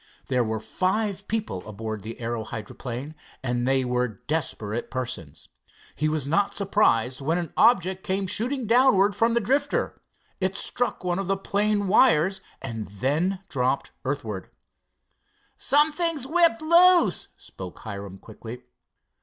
There were five people aboard the aero hydroplane, and they were desperate persons. He was not surprised when an object same shooting downwards from the Drifter. It struck one of the plane wires and then dropped earthwards. "Something's whipped loose," spoke Hiram quickly.